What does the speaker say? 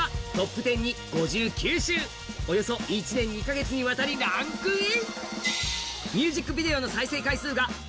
およそ１年２か月にわたりランクイン。